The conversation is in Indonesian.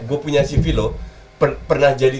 gue punya cv loh pernah jadi